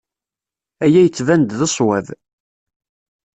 Aya yettban-d d ṣṣwab.